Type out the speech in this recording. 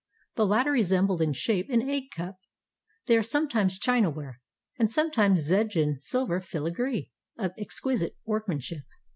The latter resembled in shape an egg cup. They are sometimes chinaware, and some times Zenjan silver filigree, of exquisite workmanship.